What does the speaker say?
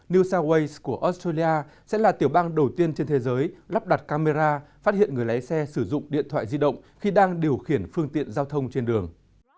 new south wales của australia sẽ là tiểu bang đầu tiên trên thế giới lắp đặt camera phát hiện người lái xe sử dụng điện thoại di động khi đang điều khiển phương tiện giao thông trên đường